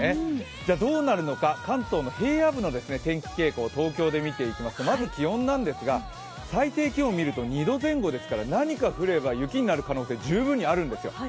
どうなるのか関東の平野部の天気傾向を東京で見ていきますと、まず気温なんですが、最低気温を見ると２度前後ですから何か降れば雪になる可能性が十分にあるんですよ。